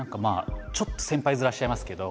ちょっと先輩面しちゃいますけど。